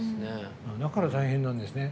だから大変なんですね。